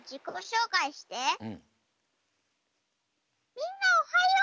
「みんなおはよう。